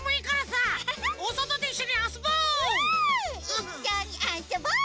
いっしょにあそぼう！